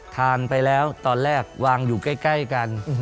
ทานไปแล้วตอนแรกวางอยู่ใกล้กัน